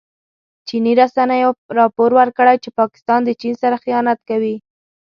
چیني رسنیو راپور ورکړی چې پاکستان د چین سره خيانت کوي.